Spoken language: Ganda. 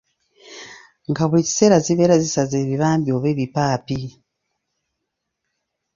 Nga buli kiseera zibeera zisaze ebibambya oba ebipaapi.